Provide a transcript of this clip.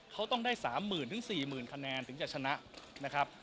เขาต้องได้๓๐๐๐๔๐๐๐คะแนนถึงจะชนะนะครับ